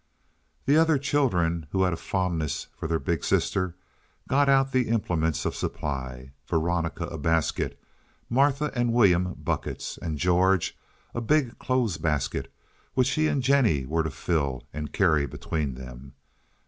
The other children, who had a fondness for their big sister, got out the implements of supply—Veronica a basket, Martha and William buckets, and George, a big clothes basket, which he and Jennie were to fill and carry between them.